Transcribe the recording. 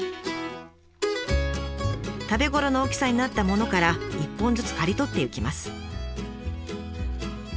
食べ頃の大きさになったものから一本ずつ刈り取っていきます。